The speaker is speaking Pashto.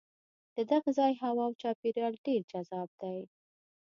د دغه ځای هوا او چاپېریال ډېر جذاب دی.